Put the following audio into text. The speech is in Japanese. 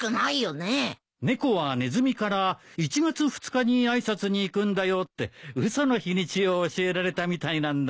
猫はネズミから１月２日に挨拶に行くんだよって嘘の日にちを教えられたみたいなんだ。